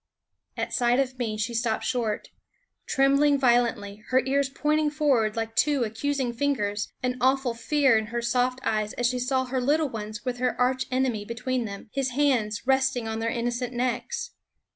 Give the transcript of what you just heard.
At sight of me she stopped short, trembling violently, her ears pointing forward like two accusing fingers, an awful fear in her soft eyes as she saw her little ones with her archenemy between them, his hands resting on their innocent necks.